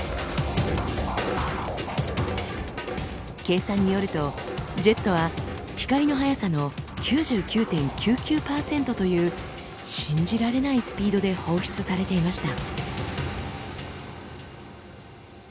計算によるとジェットは光の速さの９９．９９％という信じられないスピードで放出されていました。